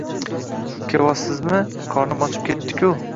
Kevossizmi, qornim ochib ketdiku.